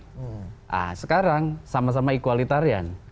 nah sekarang sama sama equalitarian